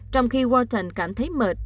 trong khi wharton cảm thấy mệt